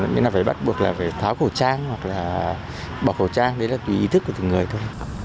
nên là phải bắt buộc là phải tháo khẩu trang hoặc là bỏ khẩu trang đấy là tùy ý thức của từng người thôi